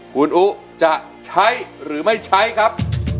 คุณอุ๊จะใช้หรือไม่ใช้ครับ